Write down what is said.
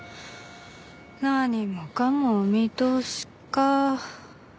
何もかもお見通しか。